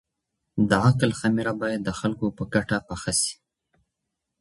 د عقل خميره بايد د خلګو په ګټه پخه سي.